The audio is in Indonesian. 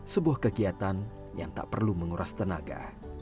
sebuah kegiatan yang tak perlu menguras tenaga